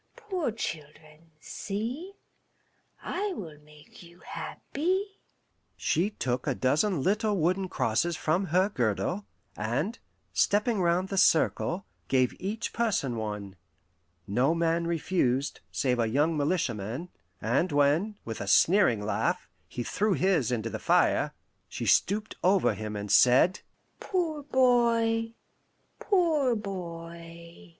Poor children, see, I will make you happy." She took a dozen little wooden crosses from her girdle, and, stepping round the circle, gave each person one. No man refused, save a young militiaman; and when, with a sneering laugh, he threw his into the fire, she stooped over him and said, "Poor boy! poor boy!"